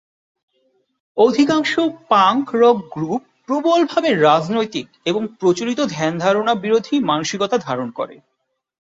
অধিকাংশ punk rock group প্রবল ভাবে রাজনৈতিক এবং প্রচলিত ধ্যান-ধারণা বিরোধী মানসিকতা ধারণ করে।